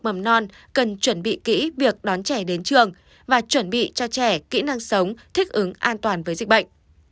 mầm non cần chuẩn bị kỹ việc đón trẻ đến trường và chuẩn bị cho trẻ kỹ năng sống thích ứng an toàn với dịch bệnh